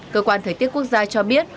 cơ quan thời tiết quốc gia cho biết